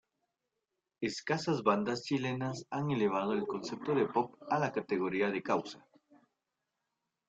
Escasas bandas chilenas han elevado el concepto de pop a la categoría de causa.